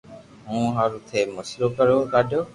مون ھارو ٿي مسلئ ڪرو ڪاڌيو